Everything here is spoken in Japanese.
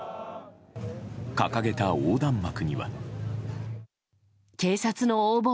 掲げた横断幕には。